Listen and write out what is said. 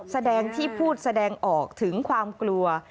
แสดงที่พูดแสดงออกถึงความกลัว